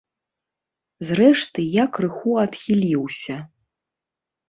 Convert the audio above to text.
Зрэшты, я крыху адхіліўся.